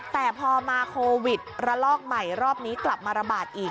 แต่พอมาโควิดระลอกใหม่รอบนี้กลับมาระบาดอีก